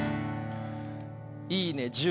いいね